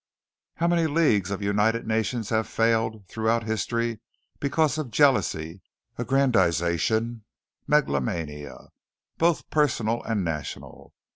How many leagues of united nations have failed throughout history because of jealousy, aggrandization, megalomania. Both personal and national.